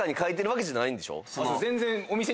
全然。